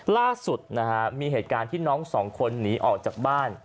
ล่าสุดนะฮะมีเหตุการณ์ที่น้องสองคนหนีออกจากบ้าน